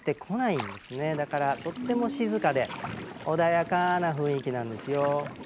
だからとっても静かで穏やかな雰囲気なんですよ。